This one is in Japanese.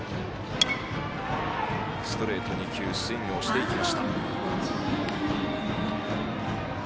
ストレート２球にスイングをしていきました。